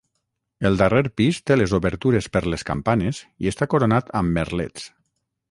El darrer pis té les obertures per les campanes i està coronat amb merlets